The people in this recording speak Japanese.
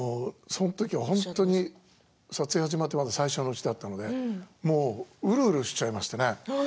そのときは本当に撮影が始まってまだ最初のうちだったのでうるうるしちゃいました。